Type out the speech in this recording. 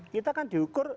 kita kan diukur